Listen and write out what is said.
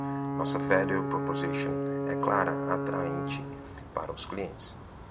Nossa value proposition é clara e atraente para os clientes.